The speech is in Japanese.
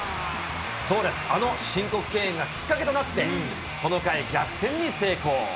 そうです、あの申告敬遠がきっかけとなって、この回、逆転に成功。